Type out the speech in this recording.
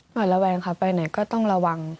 ระแวงค่ะไปไหนก็ต้องระวัง